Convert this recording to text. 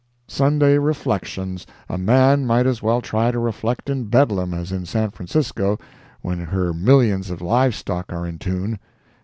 Sunday reflections! A man might as well try to reflect in Bedlam as in San Francisco when her millions of livestock are in tune.